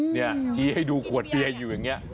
เนี่ยชี้ให้ดูขวดเบียร์อยู่อย่างนี้